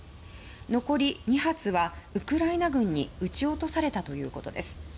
残り２発はウクライナ軍に撃ち落とされたということです。